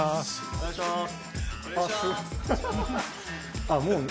お願いします。